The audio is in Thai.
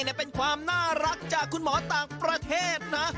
นี่เป็นความน่ารักจากคุณหมอต่างประเทศนะ